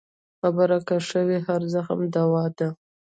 خبره که ښه وي، هر زخم دوا ده.